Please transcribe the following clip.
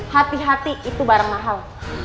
hati hati itu barang mahal